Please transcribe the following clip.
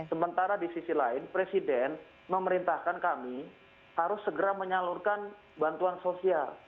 karena di sisi lain presiden memerintahkan kami harus segera menyalurkan bantuan sosial